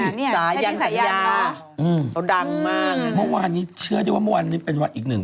สายันสัญญาอืมเขาดังมากเมื่อวานนี้เชื่อได้ว่าเมื่อวานนี้เป็นวันอีกหนึ่ง